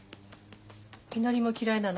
みのりも嫌いなの？